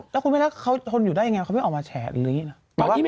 แล้วคุณแม่รักเขาทนอยู่ได้ยังไงเขาไม่ออกมาแฉะหรืออะไรอย่างนี้นะ